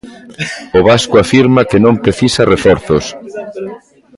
O vasco afirma que non precisa reforzos.